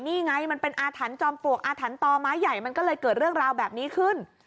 นี่ไงมันเป็นอาถรรพ์จอมปลวกอาถรรพ์ต่อไม้ใหญ่มันก็เลยเกิดเรื่องราวแบบนี้ขึ้น